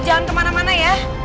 jangan kemana mana ya